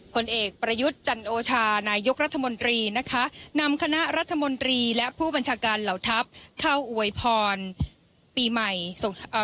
ผลเอกประยุทธ์จันโอชานายกรัฐมนตรีนะคะนำคณะรัฐมนตรีและผู้บัญชาการเหล่าทัพเข้าอวยพรปีใหม่ส่งเอ่อ